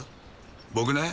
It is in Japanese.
僕ね